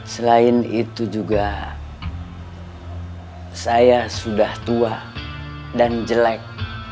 selain itu juga saya sudah tua dan jelek